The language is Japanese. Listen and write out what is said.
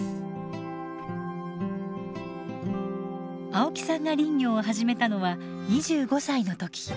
青木さんが林業を始めたのは２５歳の時。